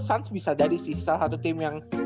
suns bisa jadi sih salah satu tim yang